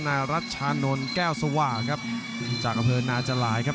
นารัชชานนแก้วซว่าครับจากอาเฟิร์นนาจรายครับ